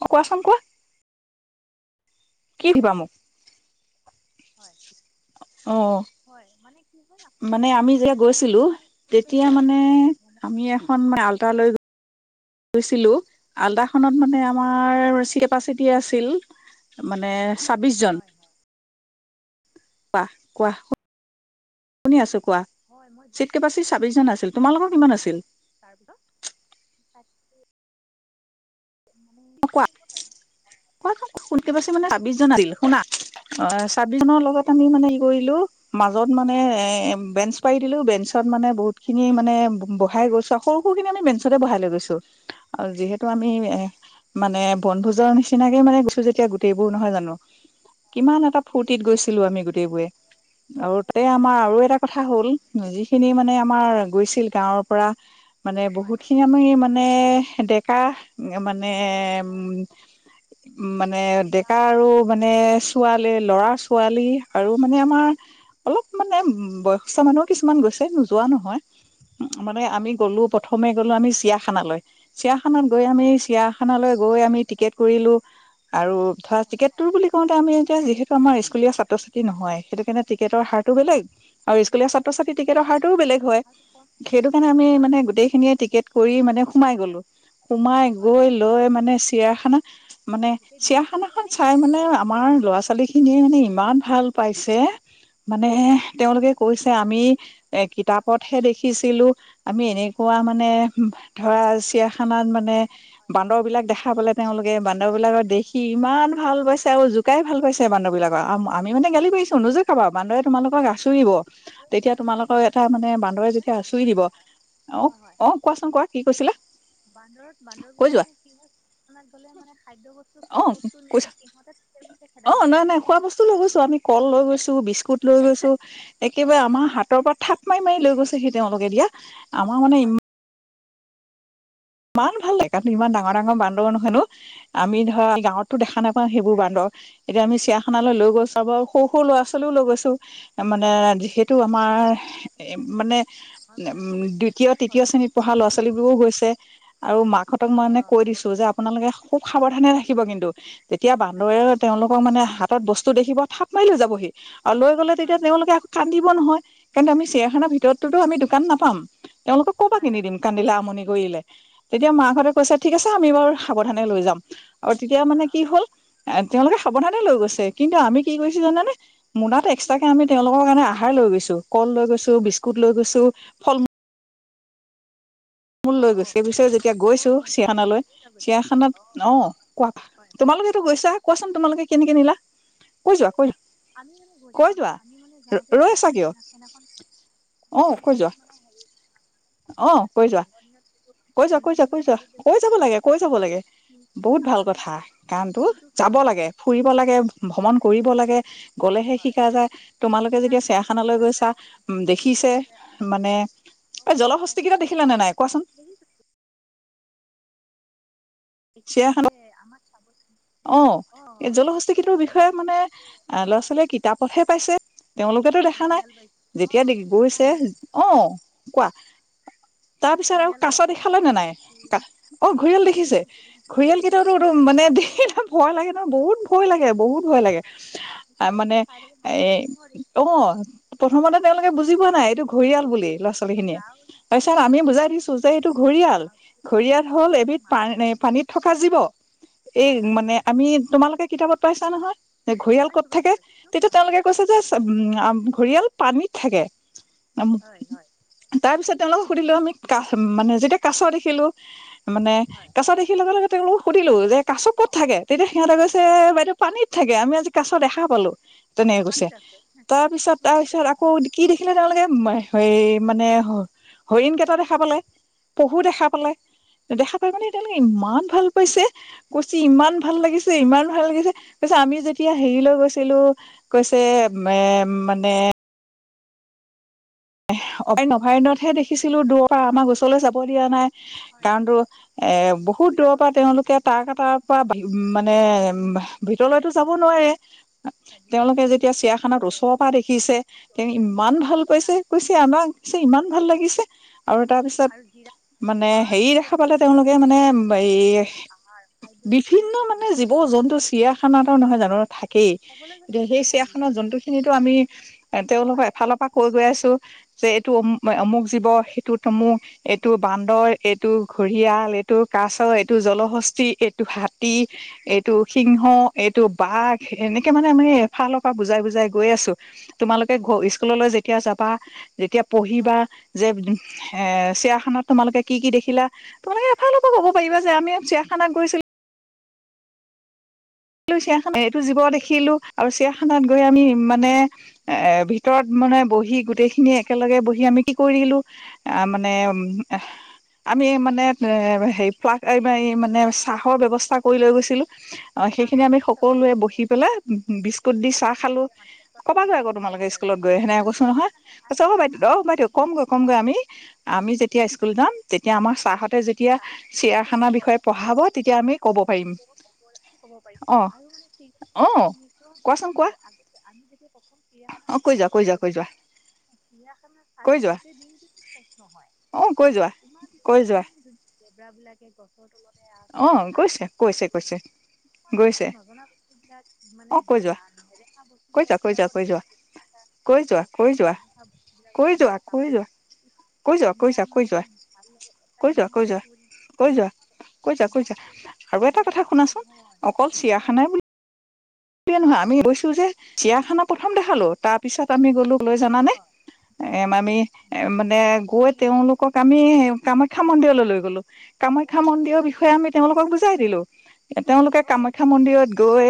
অ', কোৱা হয় চোন কোৱা। কি দিবা মোক? হয়, অ হয় মানে কি হয় আপ- মানে আমি আ- যেতিয়া মানে ধৰক গৈছিলো আপুনি ফুৰিব তেতিয়া আহিছিল মানে আমি এখন মান আলটা নেকি লৈ গৈছিলো আলটাখনত মানে হয় আমাৰ কেপাচিটি আছিল মানে ছাব্বিশ জন হয় হয় কাহ কোৱা শু শুনি আছো কোৱা হয় মই গৈ- চিট কেপাচিটি ছাবিশ জন আছিল তোমালোকৰ হয় কিমান আছিল ত কোৱা ক ক সোনকে পাছে মানে ছাবিশ জন আছিল শুনা অ ছাবিশ জনৰ লগত আমি মানে ই কৰিলো মাজত মানে এই বেঞ্চ পাৰ দিলো বেঞ্চত মানে বহুত খিনি মানে বহাই গৈছো আৰু সৰু সৰু খিনি আমি বেঞ্চতে বহাই লৈ গৈছো আৰু যিহেতু আমি এ মানে বনভোজৰ নিচ মানে গুছো যেতিয়া গোটেইবোৰ নহয় জানো কিমান এটা ফূৰ্তিত গৈছিলো আমি গোটেইবোৰে আৰু তাতে আমাৰ আৰু এটা কথা হল যিখিনি মানে আমাৰ গৈছিল গাঁৱৰ পৰা মানে হয় বহুত খিনি আমি মানে দেখ হে মানে উম উম মানে ডেকা আৰু মানে ছোৱালী ল'ৰা ছোৱালী আৰু মানে অঁ আমাৰ অলপ মানে বয়সস্থ মানুহো কিছুমান গৈছে নোযোৱা নহয় অঁ মানে আমি অঁ গ'লো প্ৰথমে গ'লো আমি য়াখানালৈ চিৰিয়াখানাত বাহ গৈ আমি বাহ চিৰিয়াখানালৈ গৈ আমি টিকেট ফুৰিলো আৰু ধৰা অঁ টিকেটটো হয় বুলি কওঁতে আমি এতিয়া যিহেতু আমাৰ স্কুলীয়া ছাত্ৰ ছাত্ৰী নহয় সেইটো কাৰণে টিকেটৰ হাৰটো বেলেগ আৰু স্কুলীয়া বেছি অঁ ছাত্ৰ ছাত্ৰী টিকেটৰ হাৰটোও বেলেগ হয় দেহাটো কম সেইটো কাৰণে আমি হয় মানে হয় গোটেইখিনিয়ে টিকেট কৰি মানে সোমাই হয় হয় গ'লো সোমাই হয় গৈ হয় লৈ মানে চিৰিয়াখানাত মানে গোটেই দিনটো চিৰীয়াখানাখন কটালেনে চাই মানে আমাৰ ল'ৰা ছোৱালী খিনিয়ে মানে ইমান ভাল পাইছে ম মানে তেওঁলোকে গোটেই কৈছে আমি এ কিতাপতহে একটো দেখিছিলো আমি এনে খোৱা মানে ধৰা চিৰিয়াখানাত মানে বান্দৰ বিলাক দেখা পালে তেওঁলোকে বান্দৰ বান্দৰবিলাকত দেখি ইমান ভাল পাইছে আৰু জু কাই ভাল পাইছে বান্দৰবিলাক আম আমি মানে গালি পাৰিছো নুজোকাবা বান্দৰ তোমালকক গাছোৰিব বান্দ যেতিয়া আচুৰি দিব অ অ কোৱাচোন কোৱা কি কৈছিলা বান্দৰত কৈ বান্দৰবোৰেৰে যোৱা মানে কি হয় গ'লে মানে খাদ্য বস্তু অ খোৱা বস্তু কৈছ নিলে সিহঁতে পিছে পিছে খেদা অ মাৰে নাই মানে নাই খোৱা বস্তু লৈ গৈছো আমি কল লৈ গৈছো বিস্কুট লৈ গৈছো অঁ একেবাৰে সিহঁতৰ আমাৰ হাতৰ পৰা থাপ মাৰি মাৰি লৈ গৈছে সেইটো তেওঁলোকে দিয়া আমাৰ মানে হয় ইমান হয় ইমান ভাল লাগে [unintelligible] তু ইমান ডাঙৰ ডাঙৰ ডাঙৰ বান্দৰ হেনো আমি ধৰা গাঁৱততো দেখা নাপাওঁ সেইবোৰ বান্দৰ এতিয়া আমি চিৰিয়াখানালৈ লৈ গৈছো আৰু বাৰ সৰু সৰু লৰা ছোৱালীও লৈ গৈছো হয় মানে হয় যিহেতু আমাৰ অঁ সেইটো ৰাতি মানে ডাঙৰ বোলে উম সৰু দ্বিতীয় মানে ঘৰত তৃতীয় শ্ৰেণীত নপঠাই পঢ়া ল'ৰা ছোৱালীবোৰো গৈছে আৰু মাকহঁতক মানে অঁ কৈ দিছো যে আপোনালোকে খুব সাৱধানে থাকিব কিন্তু। তেতিয়া কাৰণ বান্দৰেও বান্দৰ তেওঁলোকৰ অঁ মানে হাতত বস্তু দেখিব, থাপ মাৰি লৈ যাবহি। আৰু লৈ গ'লে তেতিয়া হয় হয় তেওঁলোকে, আকৌ কান্দিব নহয়! কিন্তু আমি অঁ চিৰিয়াখানা ভিতৰততো আমি দোকান না পাম! তেওঁলোকক ক'ৰ পৰা হয় কিনি হয় দিম! কান্দিলে আমনি ধৰিলে তেতিয়া মাকহঁতে কৈছে, ঠিক আছে আমি বাৰু সাৱধানে লৈ যাম। আৰু তেতিয়া মানে অঁ কি অঁ হ'ল! এ তেওঁলোকে সাৱধানে লৈ হয় গৈছে। হয় কিন্তু আমি কি কৰিছোঁ অঁ জানানে? মোনাটো অঁ কি এক্সট্ৰাকে কৰিছে আমি তেওঁলোকৰ আপোনালোকে কাৰণে আহাৰ লৈ গৈছোঁ, কল লৈ গৈছোঁ, হয় বিস্কুট লৈ গৈছোঁ। ফল-মূ মূল অঁ লৈ গৈছে। অঁ সেই আমি পিচত যেতিয়া অঁ গৈছোঁ সিহঁতক চিৰিয়াখানালৈ, পিন্ধিবলৈ লৈ চিৰিয়াখানাত, গৈছিলোঁ অঁ অ', কোৱা? হয় তোমালোকেতো গৈছা? কোৱাচোন তোমালোকে কেনেকে নিলা? কৈ যোৱা কৈ আমি মানে গৈ কৈ যাওঁ যোৱা আমি মানে যাওঁতে ৰৈ কি আছা কিয় সেইদিনাখন অ কৈ যোৱা সেইদিনাখন মানে হে। অ', কৈ যোৱা, কৈ যোৱা, কৈ যোৱা, কৈ দিনত যোৱা, গ'লোঁ কৈ যেতিয়া যাব লাগে, কৈ যাব লাগে, পিজ্জা বহুত ভাল খানা বুলি কথা গোটেই কাৰণতো দিনটো যাব খালেই লাগে শেষ ফুৰিব নহ'ব লাগে ভ্ৰমণ কৰিব লাগে গ'লেহে হয় শিকা যায় তোমালোকে শিকা যেতিয়া যায় চেয়াখানালৈ গৈছা উম, ক'ব দেখিছে পৰা যায় মানে আঁকিব পৰা যায় জলহস্তী কেইটা ঠিক দেখিলা আছে নে নাই কোৱাচোন? দেখিছোঁ দেখিছো দে আমাক চাবলৈ অহ, এই জলহস্তীটোৰ বিষয়ে মানে ৰাস আছে ল'ৰা হয় ছোৱালীয়ে কিতাপতহে পাইছে তেওঁলোকেতো দেখা নাই ঘৰিয়াল পাইছোঁ যেতিয়া দে অ অ গৈছে নাই অ', কোৱা। তাৰ পিছত আৰু ঘৰিয়াল কাছ পাইছোঁ দেখালে ঘৰিয়াল নে নাই দেখিছোঁ অ', ঘঁৰিয়াল দেখিছোঁ দেখিছে দেখিছোঁ দেখিছোঁ ঘঁৰিয়াল ঘৰিয়াল কেইটাওটো মানে দেখ ভয় লাগে নহ, বহুত ভয় লাগে। বহুত ভয় হয় লাগে হয় সেইটো মানে কেনেকৈ চাই থাকে এ মানুহ সিংহ দেখিছোঁ অ', বাঘ প্ৰথমতে শিয়াল তেওঁলোকে বুজি পোৱা নাই এইটো ঘঁৰিয়াল বুলি ল'ৰা-ছোৱালী খিনিয়ে কাউৰী তাৰপিছত দেখিছোঁ আমি হৰিণ বুজাই দিছো দেখিছোঁ যে এইটো ঘঁৰিয়াল বাপৰে ঘঁৰিয়াল হ'ল চিৰিয়াখানাত এবিধ পান মাজতে কি- পানীত থকা জীৱ এই হয় হয় মানে আমি তোমালোকে কিতাপত পাইছা নহয়। যে ঘৰিয়াল ক'ত পাইছোঁ থাকে পাইছোঁ পাইছোঁ কিয় তেতিয়া পোৱা নাই তেওঁলোকে আকৌ কৈছে যে অ' ঘৰিয়াল পানীত থাকে হয় হয় তাৰপিছত তেওঁলোকক সুধিলো আমি কাষ মানে যেতিয়া কাছ দেখিলোঁ মানে হয় কেঁচা দেখি লগে লগে তেওঁলোক ক সুধিলো যে অ অ থাকে কওকচোন তেতিয়া সিহঁতে অ গৈছে বাইদেউ পানীত থাকে আমি আজি কাছ দেখা পালো তেনেকে কৈছে মাটিত আছে তাৰপিছত মাটিত তাৰপিছত আকৌ আছে কি দেখিলে তেওঁলোকে হে মানে হৰিণ কেইটা দেখা পালে পহু দেখা পালে দেখা পাই মানে এতিয়ালোকে ইমান ভাল পাইছে ইমান সঁচাকৈ ভাল লাগিছে ইমান ভাল লাগিছে তাছত আমি যেতিয়া হেৰি লৈ গৈছিলো কৈছে মানে অ নভাৰনতহে দেখি দেখিছিলো দূৰৰ পৰা অ আমাৰ ওচৰলৈ যাব দিয়া নাই হয় হয় কাৰণো হয়। এ বহুত দূৰৰ বিলাকত পৰা তেওঁলোকে তাৰ তাৰ পৰা মানে ভিতৰলৈতো যাব নোৱাৰে কাজিৰঙা তেওঁলোকে যেতিয়া সঁচাকৈ চিয়াখানাত ওচৰৰ দেই দেখিছে তেওঁ ইমান ভাল কৈছে ৰাণী কৈছে আন আছে ইমান ভাল লাগিছে আৰু তাৰ পিছত আৰু জিৰাফ মানে ইমান হেৰি ধুনীয়াকে দেখা পালে তেওঁলোকে মানে চলন এই আহাৰ খাদ্য যে বিভিন্ন কিমান মানে ধুনীয়া জীৱ জন্তু চিৰিয়াখানাটা নহয় জানো থ সেই সকলোৱে জানো এতিয়া কি সেই জানে চিয়াখনৰ জন্তু খিনিতো আমি এ তেওঁলোকক হয় এফালৰ পৰা কৈ গৈ আছো যে এইটো অমু অমুক জীৱ সেইটো তমুক এইটো বান্দৰ এইটো ঘৰিয়াল এইটো কাছৰ এইটো জলশস্তি এইটো হাতী এইটো এইটো সিংহ উম। এইটো বাঘ এনেকে মানে আমি এফালৰ পৰা বুজাই বুজাই গৈ আছো তোমালোকে স্কুললৈ যে এতিয়া চাবা [unintelligible] যেতিয়া পঢ়িবা হয় যে এ চিয়াখানাত তোমালোকে কি কি দেখিলা তোমালোকে এফালৰ পৰা ক'ব পাৰিবা যে আমি চিৰিখানাত গৈছিলো চিয়াখানাত এইটো জীৱ দেখিলো আৰু চিয়খানাত গৈ আমি মানে এ ভিতৰত মানে বহি তাকেই গোটেইখিনি একেলগে বহি আমি কি কৰি দিলো অ মানে আমি মানে মানে হে পাক মানে অ চাহৰ ব্যৱস্থা কৰি লৈ গৈছে ছিলো অ সেইখিনি চাহৰ আমি ব্যৱস্থা সকলোৱে বহি অ মানে পেলাই বিস্কুট দি কি চাহ খালো খাইছে মানে গছৰ কবা তলত গৈ বহি আকৌ তোমালোকে খাইছে আৰু স্কুলত গৈ সেনে আৰু কৈছো একো কি নহয় জানে কছ অ বাইদেউ অ আৰু কিমান বাইদেউ কমগৈ কমগৈ আমি আমি এতিয়া স্কুল জাম তেতিয়া আমাৰ ছাহঁতে আমি যেতিয়া চাহ চিয়াৰখানাৰ সুধিব বিষয়ে পঢ়াব তেতিয়া আমি ক'ব পাৰিম আৰু ক'ব অ পাৰিম আৰু মানে অ চিৰিয়াখানা যে কোৱাচোন কোৱা এনেকুৱাগতে আমি যেতিয়া প্ৰথম চিৰিয়াখানা অ কৈ চাবলৈ যোৱা কৈ যোৱা গৈছিলো কৈ তেতিয়া যোৱা চিৰিয়াখানা কৈ চালে যোৱা গোটেই দিনটোত অ কৈ যোৱা প্ৰশ্নহয় কৈ ইমাননীয়া যোৱা ইমাননীয়া লেবৰা বিলাকে গছৰ তলত অ কৈ োৱা কিমান বস্তু নজনা বস্তুবিলাক মানে অ কৈ যোৱা নেদেখা কৈ বস্তুবিলাক যোৱা কৈ কিতাপত যোৱা দেি থকা কৈ যোৱা কৈ বাস্তৱত যোৱা নেদেখা বস্তুবিলাকক কৈ আমি যোৱা দেখা কৈ পাওঁ যোৱা কৈ ই যোৱা ধুনীয়া কৈ যোৱা কৈ মানে যোৱা ভাল লাগে এটা কৈ ইমান পৰি যা কৈ ইমান যা পৰি আৰু এটা ধুনীয়া কথা ৰাখিছে শুনাচোন নহয় অকল অঁ চিয়াখানাই বুলি সে নহয় আমি কৈছো যে চিয়াখানা প্ৰথম দেখিলো তাৰ পিছত আমি গলো জানানে হয় এ আমি এ মানে গৈ ছবিগৃহলৈ তেওঁলোকক আমি কামাখ্যা মন্দিৰলৈ লৈ গ'লো অঁ কামাখ্যা মন্দিৰৰ বিষয়ে আমি তেওঁলোকক বুজাই দিলো তেওঁলোকে কামাখ্যা মন্দিৰত গৈ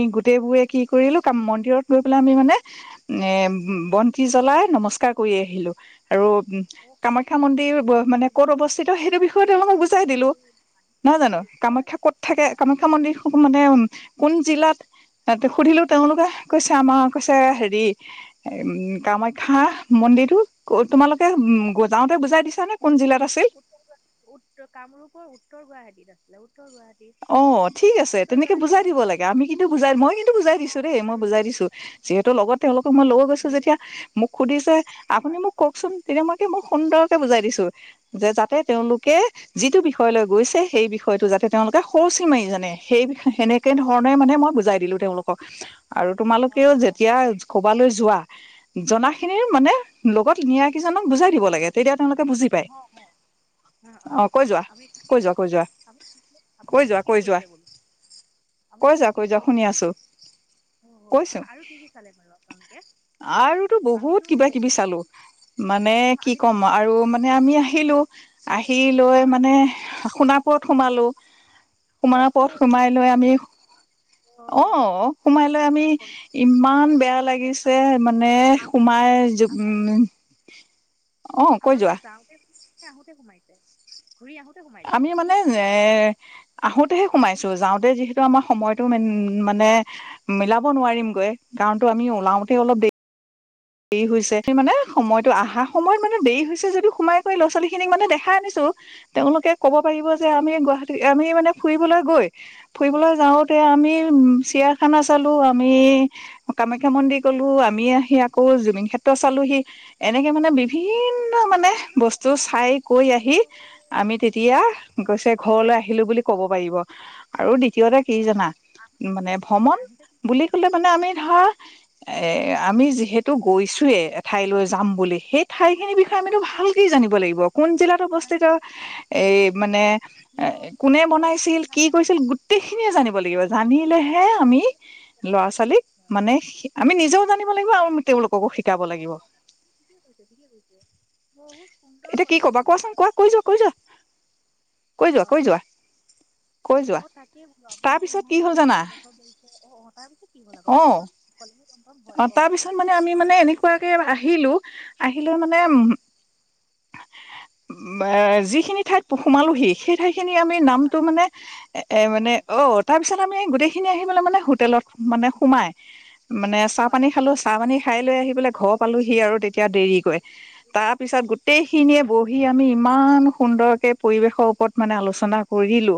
আমি গোটেই বোৰে কি কৰিলো ক মন্দিৰত গৈ পেলাই আমি মানে এ বন্তি জ্বলাই নমস্কাৰ কৰি আহিলো আৰু কামাখ্যা মন্দিৰ মানে ক'ত অৱস্থিত সেইটো বিষয়ে তেওঁলোকক বুজাই দিলো নহয় জানো হয় কামাখ্যা কত থাকে হয় কামাখ্যা মন্দিৰ মানে উ কোন জিলাত সুধিলো তেওঁলোকে কৈছে আমাৰ কৈছে হেৰি ম কামাখ্যা মন্দিৰটো তোমালোকে উ যাওঁতে বুজাই দিছা নে উত্তৰ গাহ উতৰ কামৰূপৰ উত্তৰ গুৱাহাটীত আছে হেল্লৌ অ ঠিক আছে তেনেকে গুৱাহাটীত বুজাই দিব আছিলে লাগে আমি কিন্তু বুজাই মই কিন্তু বুজাই দিছো অঁ দেই মই আৰু বুজাই দিছো যিহেতু লগত তেওঁলোকক মই লগ গৈছো নীলা যেতিয়া মোক সুধিছে আপুনি হয় মোক কওকচোন তেতিয়া মই কি মোক সুন্দৰকে বুজাই দিছো যে যাতে তেওঁলোকে যিটো বিষয় লৈ গৈছে সেই বিষয়টো যাতে তেওঁলোকে সৰুচি মাৰিজানে সেই সেনেকে অঁ ধৰণে মানে মই বুজাই দিলো তেওঁলোকক ক আৰু অঁ তোমালোকেও যেতিয়া কবা লৈ যোৱা জনা খিনিৰ মানে লগত নিয়াকিজনক বুজাই দিব লাগে তেতিয়া তেওঁলোকে বুজি পায় অ অ অ অ কৈ যোৱা আপু কৈ ঠিকেই যোৱা কৈছে কৈ যোৱা আনি আপুনি কৈ যোৱা ঠিকে কৈ যোৱা কৈছে বোলো আপুনি কৈ যোৱা ঠিকে কৈ যোৱা কৈছে শুনি বোলো আছো অ কৈছো আৰু কি কি চালে বাৰু আপোনালোকে আৰুতো বহুত আমিতো কিবা কিবি বহুত চালো মানে কি আমো ক'ম আৰু মানে আমি আহিলো আহি লৈ মানে শুনা ওৰত সোমালো সোম পথ অহ' সোমাই জুবিন লৈ ক্ষেত্ৰত আমি অঁ বহুত সোমাই লৈ ভাল আমি কাম কৰিছে হয় ইমান হয় বেয়া মানে লাগিছে আপোন- মানে আপোনালোকে সোমাই আপোন- উম অ কৈ যোৱা আহোতে সোমাইছে ঘূৰি আহোঁতে সোমাইছে আমি মানে এ আহোতেহে সোমাইছো যাওঁতে যিহেতু আমাৰ সময়টো মানে মিলাব নোৱাৰিমগৈ কাৰণটোো আমি ওলাওঁতে অলপ দেৰি দেৰি হৈছে স মানে সময়তটো অহা সময়ত মানে দেৰি হৈছে যদিটো সোমাই কৰি ল'ৰা ছোৱালী খিনিক মানে দেখাই আনিছো তেওঁলোকে কব পাৰিব যে আমি গুৱাহাটী আমি মানে ফুৰিবলৈ গৈ ফুৰিবলৈ যাওঁতে, আমি অহ' উম, চিয়াৰখানা চালো, আমি কামাখ্যা মন্দিৰ গ'লো। আমি আহি আকৌ জুমিং ক্ষেত্ৰ চালোহি। এনেকে মানে বিভিন্ন মানে সুন্দৰ বস্তু চাই কৈ আহি আমি তেতিয়া গৈছে ঘৰলৈ আহিলো বুলি কব পাৰিব। আৰু দ্বিতীয়তে কি অহ' জানা আহোঁতে কি মানে কি ভ্ৰমণ আহোঁতে কি কি বুলি কলে মানে আমি ধৰা এ, আমি যিহেতু গৈছোয়ে এঠাইলৈ যাম বুলি সেই ঠাইত সেই বিষয়ে হয় আমিতো ভালকেই জানিব লাগিব। কোন জিলাত অৱস্থিত। জানিব লাগিব ন এই, মানে কিয় কোনে কিয় বনাইছিল, কি কৰিছিল, গোটেইখিনিয়ে জানিব লাগিব। জানিলেহে, আমি সকলোখিনি ল'ৰা ছোৱালীক মানে আমি নিজেও জান লাগিব আৰু তেওঁলোকো শিক [inaudible] এতিয়া কি কবা পদক্ষেপ কোৱাচোন লৈছে কোৱা। কৈ যোৱা, কৈ যোৱা। কৈ যোৱা কৈ হয়। যোৱা কৈ যোৱা অ, তাকেই ভাল তাৰ আপোনালোকে পিছত কি ইমান হ'ল সুন্দৰ জানা প্ৰদক্ষেপ কৰিছে। অ, তাৰ পিছত কি হল আক অ কওকচোন অলে অ, তাৰপিছত মানে, আমি মানে, এনেকুৱাকে আহিলো। আহিলে মানে-উ, যিখিনি ঠাইত সোমালোহি সেই ঠাই খিনি আমি হয় নামটো হয় মানে, [unintelligible] এ, মানে অ, তাৰ পিছত আমি গোটেই খিনি মানে হোটেলত মানে সোময়, মানে [inaudible] চাহ হয় পানী খালোঁ। চাহ পানী ঠাই লৈ আহিবলৈ ঘৰ পালো সি আৰু তেতিয়া দেৰিকৈ। তাৰ পিছত গোটেই খিনিয়ে বহি আমি ইমান সুন্দৰকে পৰিৱেশৰ ওপৰত মানে আলোচনা কৰিলোঁ।